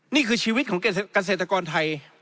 นี่คือชีวิตของเกษตรกรไทย